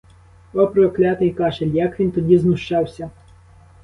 О, проклятий кашель, як він тоді знущався!